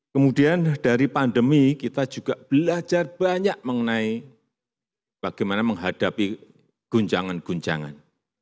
kemudian dari pandemi kita juga belajar banyak mengenai bagaimana menghadapi guncangan guncangan